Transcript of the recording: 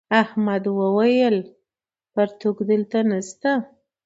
احمد وويل: پرتوگ دلته نشته.